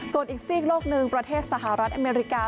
ส่วนอีกซีกโลกหนึ่งประเทศสหรัฐอเมริกา